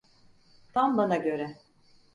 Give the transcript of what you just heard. Tam bana göre.